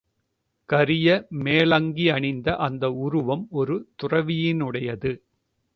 கரிய மேலங்கியணிந்த அந்த உருவம் ஒரு துறவியினுடையது.